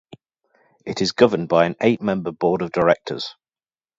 It is governed by an eight-member board of directors.